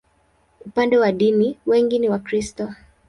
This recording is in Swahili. Upande wa dini, wengi ni Wakristo.